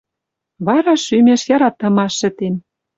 Вара шӱмеш яратымаш шӹтен